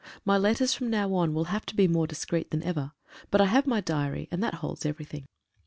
My letters from now on will have to be more discreet than ever, but I have my diary, and that holds everything.